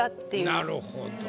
なるほど。